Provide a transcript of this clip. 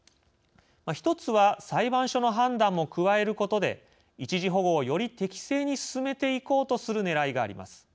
１つは裁判所の判断も加えることで一時保護を、より適正に進めていこうとするねらいがあります。